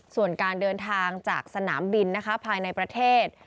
ส่วนการเดินทางจากสนามบินภายในประเทศ